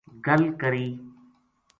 گل کری